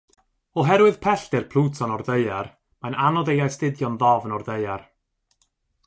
Oherwydd pellter Plwton o'r ddaear, mae'n anodd ei astudio'n ddofn o'r ddaear.